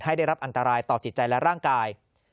ได้รับอันตรายต่อจิตใจและร่างกาย